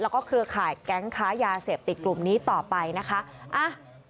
แล้วก็เครือข่ายแก๊งค้ายาเสพติดกลุ่มนี้ต่อไปนะคะอ่ะ